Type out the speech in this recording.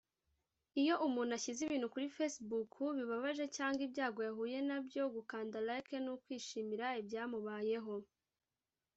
Iyo umuntu ashyize ibintu kuri Facebook bibabaje cyangwa ibyago yahuye nabyo gukanda “Like” ni ukwishimira ibyamubayeho